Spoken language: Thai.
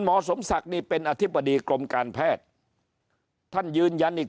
สมศักดิ์นี่เป็นอธิบดีกรมการแพทย์ท่านยืนยันอีก